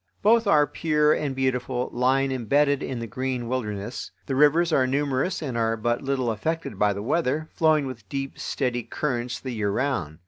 Both are pure and beautiful, lying imbedded in the green wilderness. The rivers are numerous and are but little affected by the weather, flowing with deep, steady currents the year round.